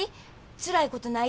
つらいことない？